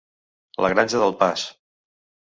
La granja del pas.